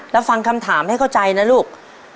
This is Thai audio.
แล้วฟังคำถามให้เข้าใจนะลูก